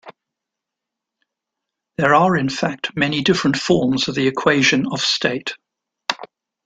There are in fact many different forms of the equation of state.